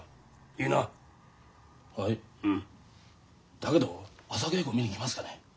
だけど朝稽古見に来ますかね？